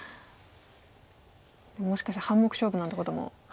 もしかして半目勝負なんてこともありますか。